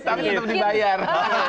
sedikit tapi tetap dibayar